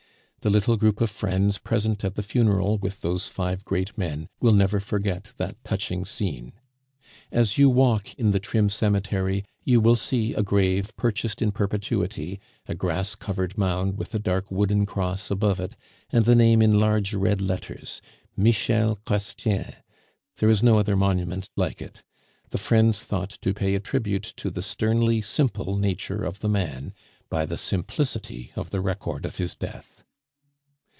The little group of friends present at the funeral with those five great men will never forget that touching scene. As you walk in the trim cemetery you will see a grave purchased in perpetuity, a grass covered mound with a dark wooden cross above it, and the name in large red letters MICHEL CHRESTIEN. There is no other monument like it. The friends thought to pay a tribute to the sternly simple nature of the man by the simplicity of the record of his death.